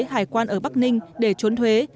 hải quan ở bắc ninh để trốn thuế